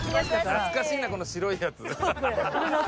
懐かしいなこの白いやつ。